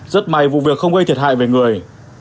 rất may vụ việc không gây thiệt hại về người